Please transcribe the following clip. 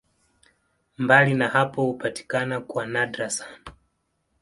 Mbali na hapo hupatikana kwa nadra sana.